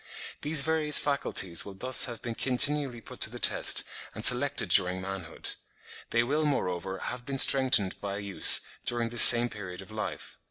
These various faculties will thus have been continually put to the test and selected during manhood; they will, moreover, have been strengthened by use during this same period of life.